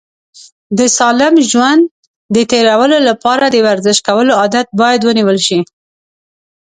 د سالم ژوند د تېرولو لپاره د ورزش کولو عادت باید ونیول شي.